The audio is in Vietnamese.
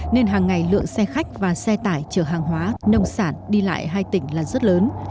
nên hàng ngày lượng xe khách và xe tải chở hàng hóa nông sản đi lại hai tỉnh là rất lớn